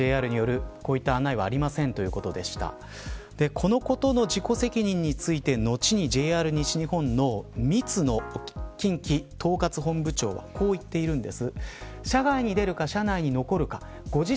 このことの自己責任ついて後にＪＲ西日本の近畿統括本部長はこう言っているんです。